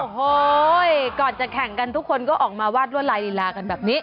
โอ้โหก่อนจะแข่งกันทุกคนก็ออกมาวาดรวดลายลีลากันแบบนี้